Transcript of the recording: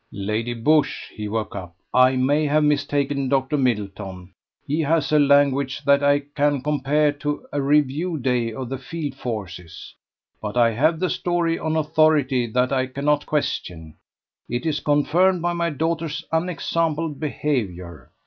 "Lady Busshe," he woke up; "I may have mistaken Dr. Middleton; he has a language that I can compare only to a review day of the field forces. But I have the story on authority that I cannot question: it is confirmed by my daughter's unexampled behaviour.